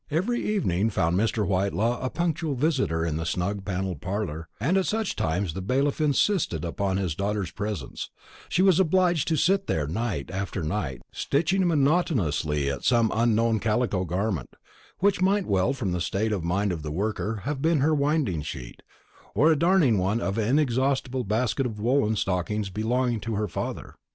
Every evening found Mr. Whitelaw a punctual visitor in the snug panelled parlour, and at such times the bailiff insisted upon his daughter's presence; she was obliged to sit there night after night, stitching monotonously at some unknown calico garment which might well from the state of mind of the worker have been her winding sheet; or darning one of an inexhaustible basket of woollen stockings belonging to her father.